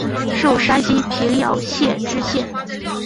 授山西平遥县知县。